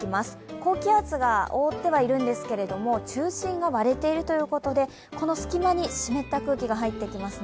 高気圧が覆ってはいるんですけど、中心が割れているということでこの隙間に湿った空気が入ってきますね。